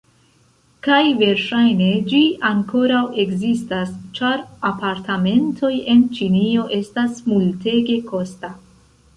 Kaj verŝajne, ĝi ankoraŭ ekzistas ĉar apartamentoj en Ĉinio estas multege kosta.